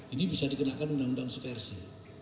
ini bisa dikenakan undang undang supersi